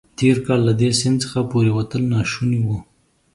تېر کال له دې سیند څخه پورېوتل ناشوني وو.